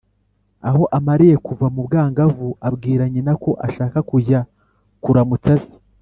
Aho amariye kuva mu bwangavu abwira nyina ko ashaka kujya kuramutsa se,